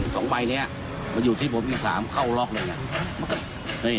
สองไปเนี่ยมันอยู่ที่ผมที่สามเข้าล็อคเลย